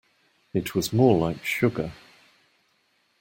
It was more like sugar.